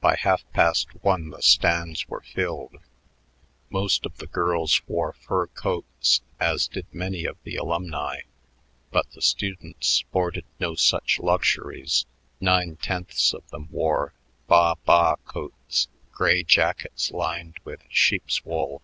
By half past one the stands were filled. Most of the girls wore fur coats, as did many of the alumni, but the students sported no such luxuries; nine tenths of them wore "baa baa coats," gray jackets lined with sheep's wool.